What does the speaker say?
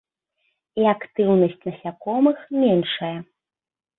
І актыўнасць насякомых меншая.